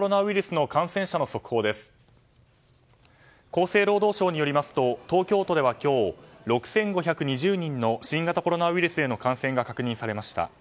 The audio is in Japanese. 厚生労働省によりますと東京都では今日６５２０人の新型コロナウイルスへの感染が確認されました。